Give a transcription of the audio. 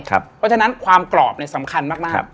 เพราะฉะนั้นความกรอบสำคัญมาก